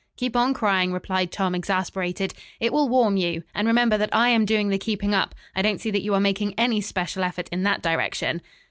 "Keep on crying," replied Tom exasperated. "It will warm you and remember that I am doing the keeping up. I don't see that you are making any special effort in that direction."